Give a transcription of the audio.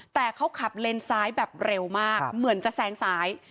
แต่เขาขับเลนซ้ายแบบเร็วมากเหมือนจะแซงซ้าย